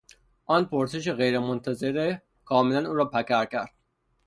آن پرسش غیرمنتظره کاملا او را پکر کرد.